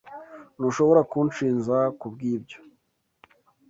Ntushobora kunshinja kubwibyo.